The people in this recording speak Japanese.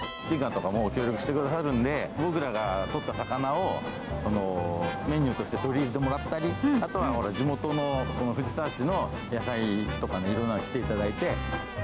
朝市の魅力は、魚を買うだけキッチンカーとかも協力してくださるんで、僕らが取った魚を、メニューとして取り入れてもらったり、あとは地元の藤沢市の野菜とかの、いろんな来ていただいて。